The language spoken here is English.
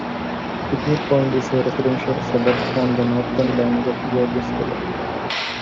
Picnic Point is a residential suburb on the northern bank of the Georges River.